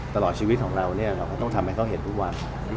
ตลอดชีวิตของเราเนี่ยเราก็ต้องทำให้เขาเห็นทุกวัน